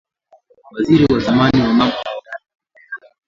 waziri wa zamani wa mambo ya ndani